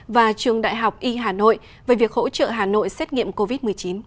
và trường đại học y hà nội về việc hỗ trợ hà nội xét nghiệm covid một mươi chín